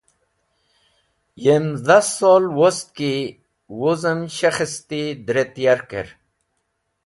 Yem dhas sol wost ki wuzem shekhesti dret yarker.